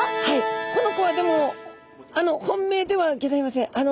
この子はでも本命ではギョざいません。